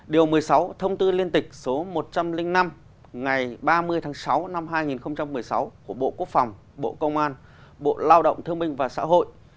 điều một mươi sáu thông tư liên tịch số một trăm linh năm ngày ba mươi tháng sáu năm hai nghìn một mươi sáu của bộ quốc phòng bộ công an bộ lao động thương minh và xã hội